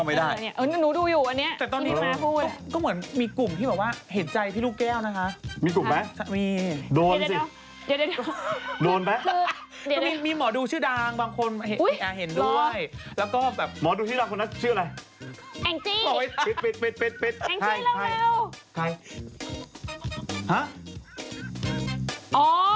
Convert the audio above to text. คนก็เลยว่ากดไปสงสารเคลียร่วมตัวเองก่อนไหม